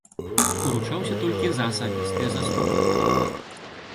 Уручаўся толькі за асабістыя заслугі.